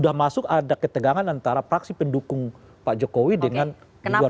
termasuk ada ketegangan antara praksi pendukung pak jokowi dengan luar pak jokowi